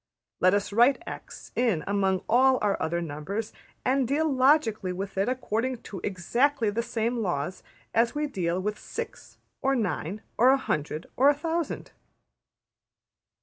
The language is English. Let us write $x$ in among all our other numbers, and deal logically with it according to exactly the same laws as we deal with six, or nine, or a hundred, or a thousand.''